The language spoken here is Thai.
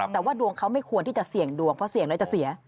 แต่ว่าดวงเขาไม่ควรที่จะเสี่ยงดวงเพราะเสี่ยงน้อยจะเสีย